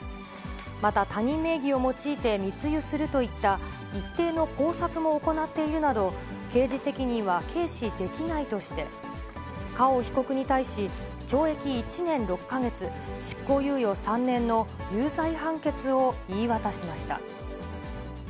また他人名義を用いて密輸するといった一定の工作も行っているなど、刑事責任は軽視できないとして、カオ被告に対し、懲役１年６カ月、執行猶予３年の有罪判決を言い渡しました。